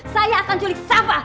saya akan culik safa